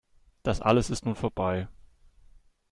Das alles ist nun vorbei.